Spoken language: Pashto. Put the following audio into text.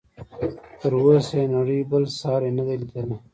تر اوسه یې نړۍ بل ساری نه دی لیدلی.